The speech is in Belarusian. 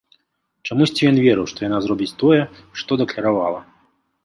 Чамусьці ён верыў, што яна зробіць тое, што дакляравала.